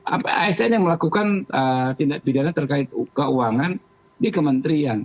asn yang melakukan tindak pidana terkait keuangan di kementerian